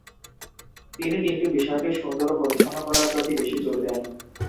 তিনি তিনটি বিষয়কে সুন্দর ও পরিচ্ছন্ন করার প্রতি বেশি জোর দেন।